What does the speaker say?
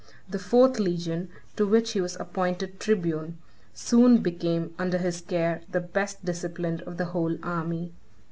The fourth legion, to which he was appointed tribune, soon became, under his care, the best disciplined of the whole army.